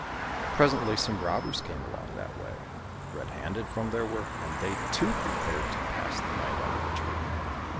Presently some robbers came along that way, red handed from their work, and they too prepared to pass the night under the tree.